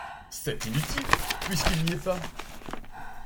C’est inutile… puisqu’il n’y est pas !